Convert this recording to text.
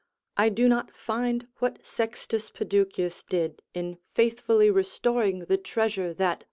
I do not find what Sextus Peduceus did, in faithfully restoring the treasure that C.